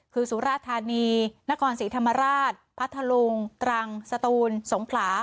คือศูราชธานีนกรสีธรรมราชพระทะลุ่งตรังสตูลสงขรา